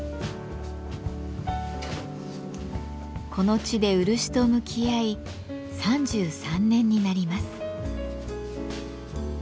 この地で漆と向き合い３３年になります。